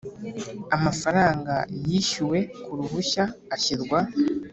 Amafaranga yishyuwe ku ruhushya ashyirwa